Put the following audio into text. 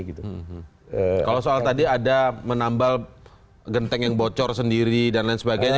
kalau soal tadi ada menambal genteng yang bocor sendiri dan lain sebagainya